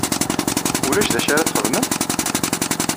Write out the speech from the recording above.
Ulac d acu ara txedmemt?